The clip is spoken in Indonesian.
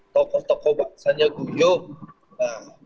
tokoh tokoh bahasanya guyuk